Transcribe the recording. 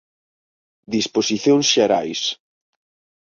Disposicións xerais.